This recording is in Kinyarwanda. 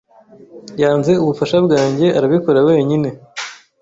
yanze ubufasha bwanjye arabikora wenyine.